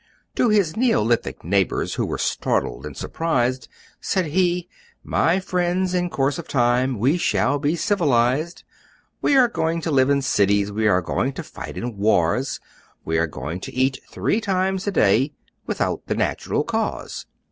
To his Neolithic neighbors, Who were startled and surprised, Said he, "My friends, in course of time, We shall be civilized! We are going to live in cities! We are going to fight in wars! We are going to eat three times a day Without the natural cause!